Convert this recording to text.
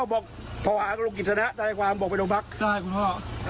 คุณตำรวจมาแล้วครับคุณลูก